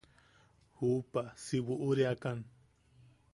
–¿Juupa si buʼureakan?